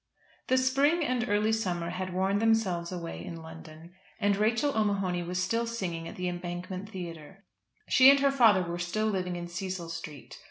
The spring and early summer had worn themselves away in London, and Rachel O'Mahony was still singing at the Embankment Theatre. She and her father were still living in Cecil Street.